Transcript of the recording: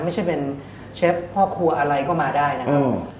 ไม่ใช่เป็นเชฟพ่อครัวอะไรก็มาได้นะครับ